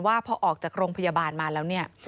ว่าพอออกจากโรงพยาบาลมาแล้วเนี่ย